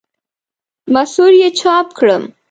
مصور یې چاپ کړم.